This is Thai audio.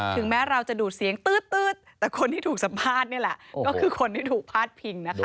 ถึงแม้เราจะดูดเสียงตื๊ดแต่คนที่ถูกสัมภาษณ์นี่แหละก็คือคนที่ถูกพาดพิงนะคะ